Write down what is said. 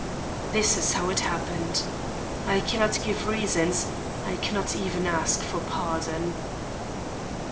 This is how it happened. I cannot give reasons; I cannot even ask for pardon.